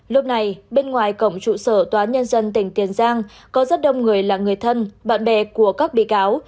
lúc này bên ngoài cổng trụ sở tòa nhân dân tỉnh tiền giang có rất đông người là người thân bạn bè của các bị cáo